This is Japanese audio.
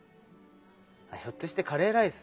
ひょっとしてカレーライス？